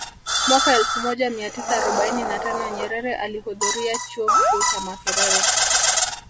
Mwaka elfu moja mia tisa arobaini na tano Nyerere alihudhuria Chuo Kikuu cha Makerere